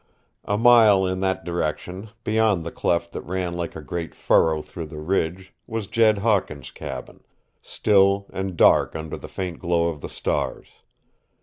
A mile in that direction, beyond the cleft that ran like a great furrow through the Ridge, was Jed Hawkins' cabin, still and dark under the faint glow of the stars.